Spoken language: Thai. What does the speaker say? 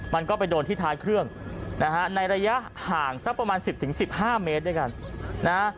มันก็ไปโดนที่ท้ายเครื่องนะฮะในระยะห่างสักประมาณ๑๐๑๕เมตรด้วยกันนะฮะ